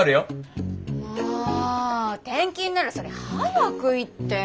もう転勤ならそれ早く言ってよ。